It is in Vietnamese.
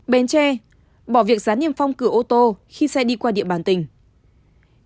bến tre bỏ việc rán niêm phong cửa ô tô khi xe đi qua địa bàn tỉnh